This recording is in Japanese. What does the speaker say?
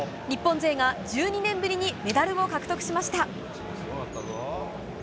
日本勢が１２年ぶりにメダルを獲得しました。